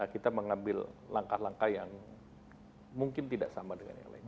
kita mengambil langkah langkah yang mungkin tidak sama dengan yang lain